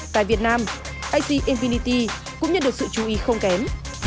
tại việt nam ac infinity cũng nhận được sự chú ý không kém